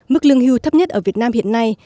mức lương hưu thấp nhất ở việt nam hiện nay